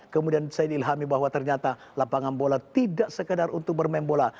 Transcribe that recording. kemudian saya diilhami bahwa ternyata lapangan bola tidak sekedar untuk bermain bola